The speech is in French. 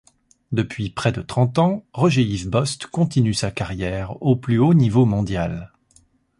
Depuis près de trente ans, Roger-Yves Bost continue sa carrière au plus haut-niveau mondial.